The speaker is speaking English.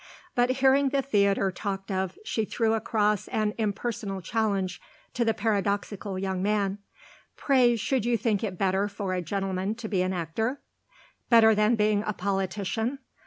But hearing the theatre talked of she threw across an impersonal challenge to the paradoxical young man. "Pray should you think it better for a gentleman to be an actor?" "Better than being a politician?